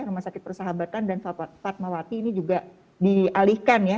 rumah sakit persahabatan dan fatmawati ini juga dialihkan ya